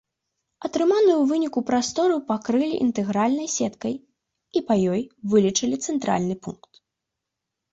Атрыманую ў выніку прастору пакрылі інтэгральнай сеткай і па ёй вылічылі цэнтральны пункт.